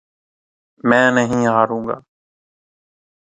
میں نہیں ہاروں گا